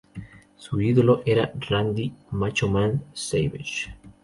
Su ídolo era Randy "Macho Man" Savage.